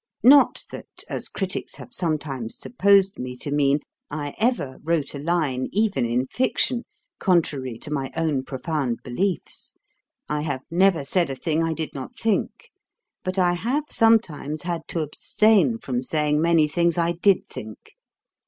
Not that, as critics have sometimes supposed me to mean, I ever wrote a line, even in fiction, contrary to my own profound beliefs. I have never said a thing I did not think: but I have sometimes had to abstain from saying many things I did think.